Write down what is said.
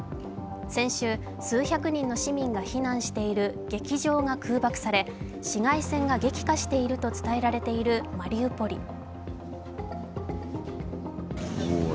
先週、数百人の市民が避難している劇場が空爆され市街戦が激化していると伝えられているマリウポリ。